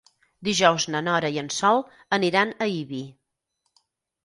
Dijous na Nora i en Sol aniran a Ibi.